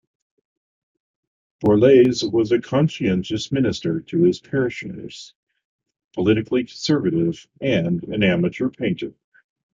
Borlase was a conscientious minister to his parishioners, politically conservative, and an amateur painter.